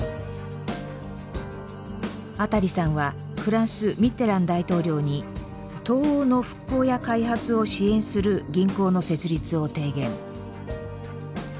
アタリさんはフランスミッテラン大統領に東欧の復興や開発を支援する銀行の設立を提言。